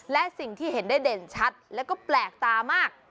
และสิ่งที่เห็นได้เด่นชัดแล้วก็แปลกตามาก